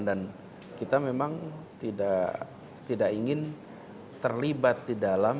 dan kita memang tidak ingin terlibat di dalam